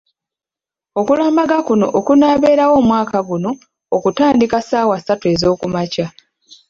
Okulamaga kuno okunaabeerawo omwaka guno okutandika ssaawa ssatu ez’okumakya.